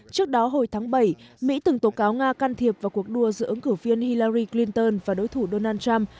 trước đó hồi tháng bảy mỹ từng tố cáo nga can thiệp vào cuộc đua giữa ứng cử viên hillary clinton và đối thủ donald trump